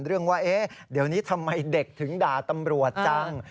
เรื่องว่าเฮ้ยเดี๋ยวนี้ทำไมเด็กถึงด่าตำรวจจัง